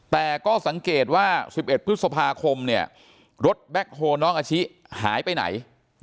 แต่ก็สังเกตว่า๑๑พฤษภาคมเนี่ยรถแบ็คโฮน้องอาชิหายไปไหน